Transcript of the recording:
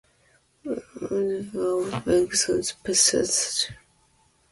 Woody Woodpecker constantly pesters the two pandas, apparently just for the fun of it.